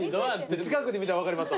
近くで見たら分かりますわ。